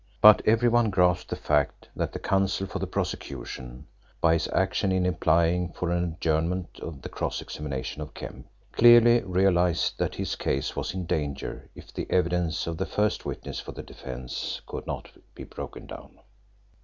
But every one grasped the fact that the Counsel for the prosecution, by his action in applying for an adjournment of the cross examination of Kemp, clearly realised that his case was in danger if the evidence of the first witness for the defence could not be broken down.